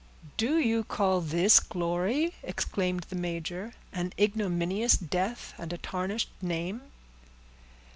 "Do you call this glory?" exclaimed the major: "an ignominious death and a tarnished name."